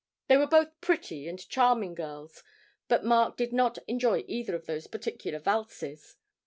They were both pretty and charming girls, but Mark did not enjoy either of those particular valses.